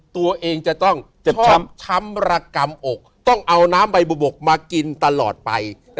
ตัวเองจะต้องเจ็บช้ำช้ำระกำอกต้องเอาน้ำใบบุบกมากินตลอดไป